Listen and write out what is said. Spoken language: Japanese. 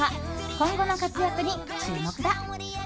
今後の活躍に注目だ。